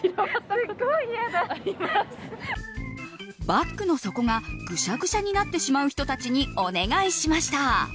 バッグの底がぐしゃぐしゃになってしまう人たちにお願いしました。